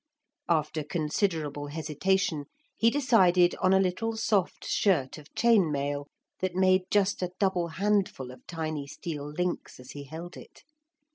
After considerable hesitation he decided on a little soft shirt of chain mail that made just a double handful of tiny steel links as he held it.